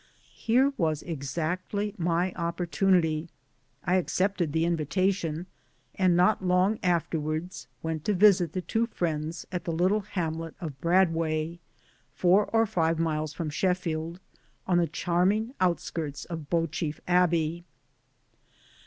Here was exactly my opportunity. I accepted the invitation, and not long afterwards went to visit the two friends at the little hamlet of Bradway, four or five miles from Sheffield, on the charming outskirts of Beau chief Abbey.